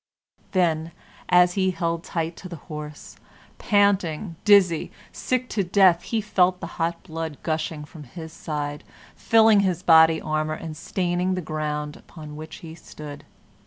Then, as he held tight to the horse, panting, dizzy, sick to death, he felt the hot blood gushing from his side, filling his body armor, and staining the ground upon which he stood.